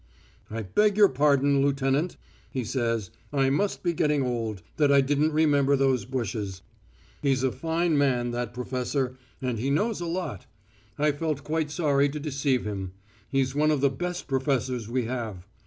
"'I beg your pardon, lieutenant,' he says. 'I must be getting old, that I didn't remember those bushes.' He's a fine man, that professor, and he knows a lot. I felt quite sorry to deceive him. He's one of the best professors we have.